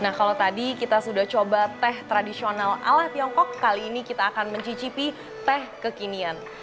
nah kalau tadi kita sudah coba teh tradisional ala tiongkok kali ini kita akan mencicipi teh kekinian